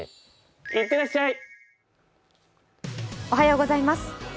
おはようございます。